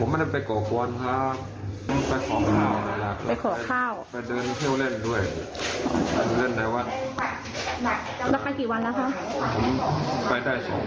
๒วันเมื่อวานกับวันนี้